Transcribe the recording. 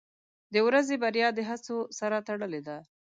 • د ورځې بریا د هڅو سره تړلې ده.